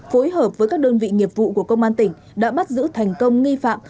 phối hợp với các đơn vị nghiệp vụ của công an tỉnh đã bắt giữ thành công nghi phạm